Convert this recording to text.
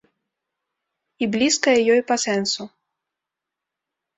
І блізкая ёй па сэнсу.